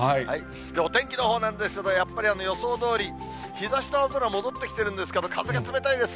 お天気のほうなんですが、やっぱり予想どおり、日ざしと青空戻ってきてるんですから、風が冷たいですね。